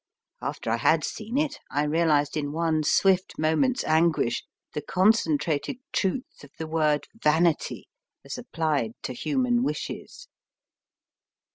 After I had seen it, I realised in one swift moment s anguish the concen trated truth of the word vanity as ap plied to human wishes.